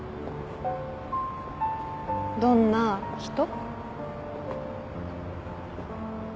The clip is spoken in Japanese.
どんな人？